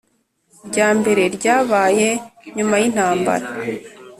Rya mbere ryabaye nyuma y intambara